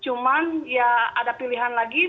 cuman ya ada pilihan lagi